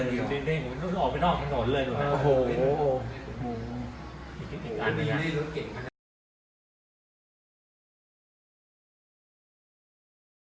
อีกนิดนึงอีกอันดีจ๊ะ